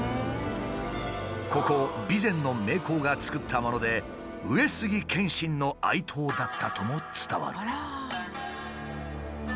ここ備前の名工が作ったもので上杉謙信の愛刀だったとも伝わる。